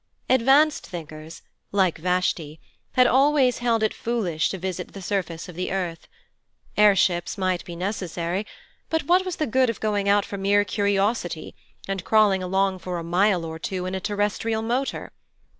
Advanced thinkers, like Vashti, had always held it foolish to visit the surface of the earth. Air ships might be necessary, but what was the good of going out for mere curiosity and crawling along for a mile or two in a terrestrial motor?